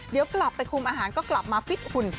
เดี๋ยวกลับไปคุมอาหารก็กลับมาฟิตหุ่น